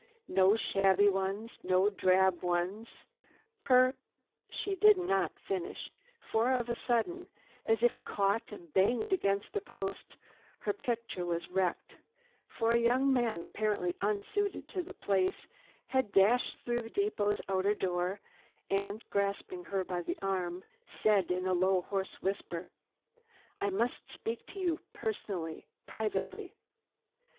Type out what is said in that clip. No shabby ones. No drab ones. Per—" She did not finish for of a sudden, as if caught and banged against a post, her picture was wrecked, for a young man apparently unsuited to the place had dashed through the depot's outer door and, grasping her by the arm, said in a low hoarse whisper: "I must speak to you personally, privately."